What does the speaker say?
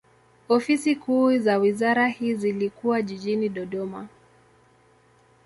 Ofisi kuu za wizara hii zilikuwa jijini Dodoma.